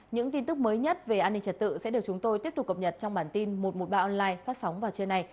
những tin tức mới nhất về an ninh trật tự sẽ được chúng tôi tiếp tục cập nhật trong bản tin một trăm một mươi ba online phát sóng vào trưa nay